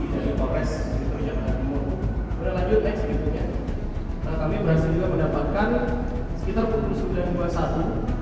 yang di tkp itu kita akan lakukan